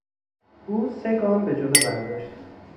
او سه گام به جلو برداشت.